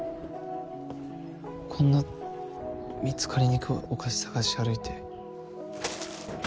こんな見つかりにくいお菓子探し歩いて。